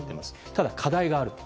ただ課題があると。